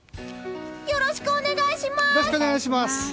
よろしくお願いします！